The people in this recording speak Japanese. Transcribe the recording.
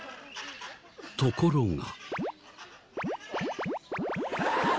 ところが。